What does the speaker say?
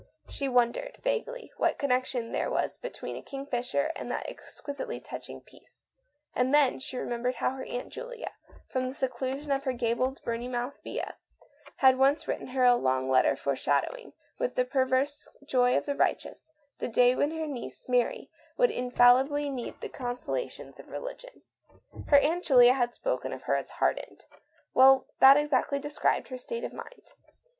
She wondered, vaguely, what connection there was between a king fisher and that exquisite, musical phrase. And then she remembered how her Aunt Julia, from the chaste seclusion of her gabled Bournemouth villa, had once written her a long letter foreshadowing, with the perverse joy of the righteous, the day when her niece Mary would infallibly need the conso lations of religion. Her Aunt Julia had spoken of her as "hardened." Well, that exactly described her state of mind.